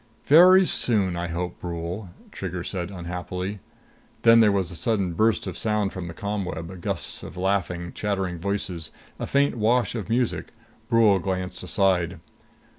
"Very soon, I hope, Brule," Trigger said unhappily. Then there was a sudden burst of sound from the ComWeb gusts of laughing, chattering voices; a faint wash of music. Brule glanced aside.